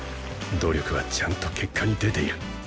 努力はちゃんと結果に出ている